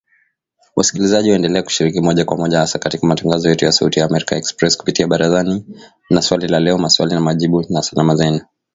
Wasikilizaji waendelea kushiriki moja kwa moja hasa katika matangazo yetu ya Sauti ya Amerika Express kupitia Barazani na Swali la Leo, Maswali na Majibu, na Salamu Zenu